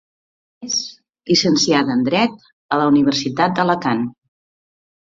És llicenciada en dret a la Universitat d'Alacant.